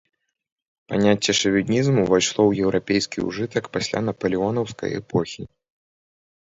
Паняцце шавінізм увайшло ў еўрапейскі ўжытак пасля напалеонаўскай эпохі.